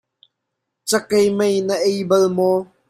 Cakei mei na ei bal maw?